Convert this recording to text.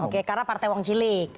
oke karena partai wong cilik